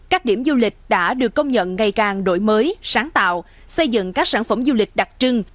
các điểm du lịch đã được công nhận ngày càng đổi mới sáng tạo xây dựng các sản phẩm du lịch đặc trưng